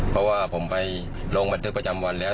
เพราะว่าผมไปลงบันทึกประจำวันแล้ว